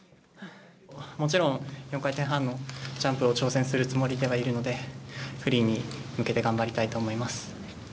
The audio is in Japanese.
もちろんやっぱり４回転半のジャンプを挑戦するつもりではいるので、フリーに向けて頑張りたいと思います。